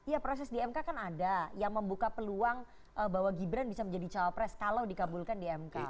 ya proses dmk kan ada yang membuka peluang bahwa gibran bisa menjadi cawapres kalau dikabulkan dmk